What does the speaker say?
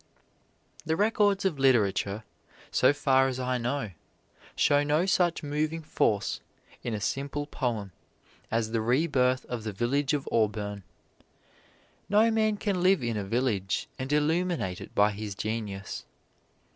The records of literature, so far as I know, show no such moving force in a simple poem as the re birth of the village of Auburn. No man can live in a village and illuminate it by his genius.